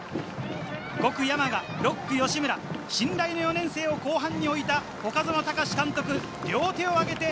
５区・山賀、６区・吉村、信頼の４年生を後半に置いた、外園隆監督、両手を挙げた。